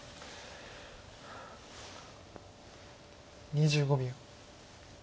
２５秒。